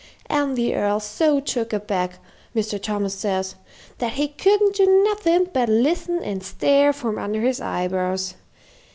An' the Earl so took aback, Mr. Thomas says, that he couldn't do nothing but listen and stare from under his eyebrows.